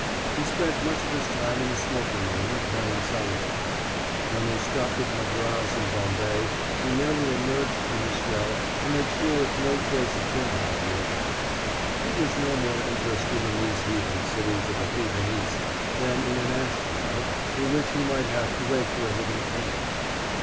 He spent much of his time in the smoking room, playing solitaire. When they stopped at Madras and Bombay he merely emerged from his shell to make sure if no trace of Binhart were about. He was no more interested in these heathen cities of a heathen East than in an ash pile through which he might have to rake for a hidden coin.